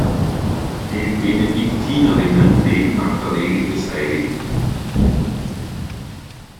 Die Benediktinerinnen leben nach der Regel des hl.